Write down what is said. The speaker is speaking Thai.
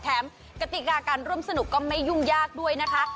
กติกาการร่วมสนุกก็ไม่ยุ่งยากด้วยนะคะ